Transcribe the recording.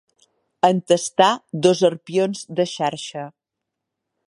Entestar dos arpions de xarxa.